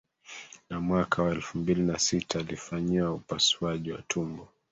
Na mwaka wa elfu mbili na sita alifanyiwa upasuaji wa tumbo